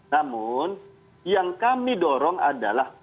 namun yang kami dorong adalah